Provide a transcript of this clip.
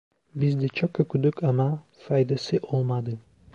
Biz de çok okuduk ama, faydası olmadı.